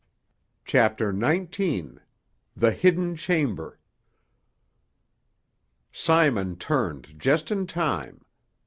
CHAPTER XIX THE HIDDEN CHAMBER Simon turned just in time.